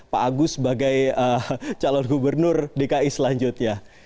pak agus sebagai calon gubernur dki selanjutnya